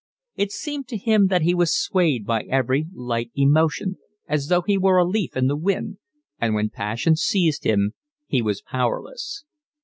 It seemed to him that he was swayed by every light emotion, as though he were a leaf in the wind, and when passion seized him he was powerless.